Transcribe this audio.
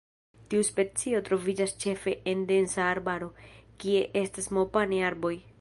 Tiu specio troviĝas ĉefe en densa arbaro, kie esta Mopane-arboj.